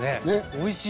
おいしい！